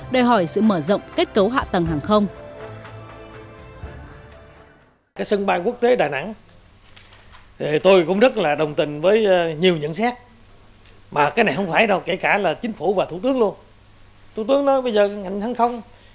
đòi hỏi sự mở rộng kết cấu hạ tầng hàng không